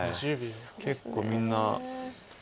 結構みんな。